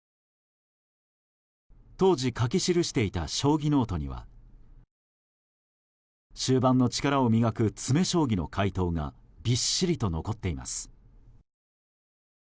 当時、書き記していた将棋ノートには終盤の力を磨く詰将棋の解答がびっしりと残っています。